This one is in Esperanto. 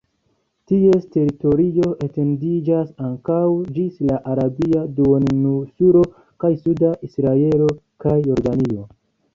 Ties teritorio etendiĝas ankaŭ ĝis la Arabia duoninsulo kaj suda Israelo kaj Jordanio.